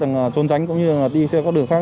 rằng trốn tránh cũng như là đi xe qua đường khác